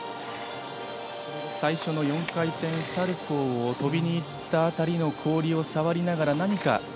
最初の４回転サルコウを跳びにいった辺りの氷を触りながら、何か。